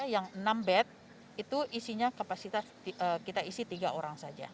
yang enam bed itu isinya kapasitas kita isi tiga orang saja